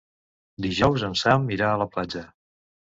Dijous en Sam irà a la platja.